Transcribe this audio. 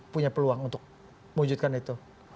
punya peluang untuk mewujudkan itu